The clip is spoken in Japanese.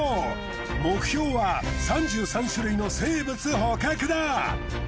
目標は３３種類の生物捕獲だ！